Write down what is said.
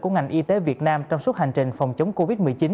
của ngành y tế việt nam trong suốt hành trình phòng chống covid một mươi chín